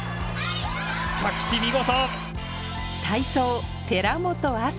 着地見事！